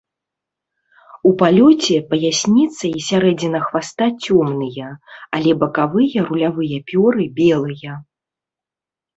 У палёце паясніца і сярэдзіна хваста цёмныя, але бакавыя рулявыя пёры белыя.